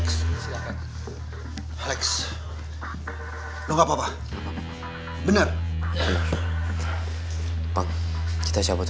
kamu kok belingnya satu sih